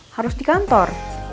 harus di kantor